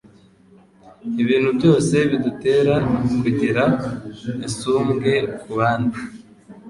Ibintu byose bidutera kugira isumbwe ku bandi,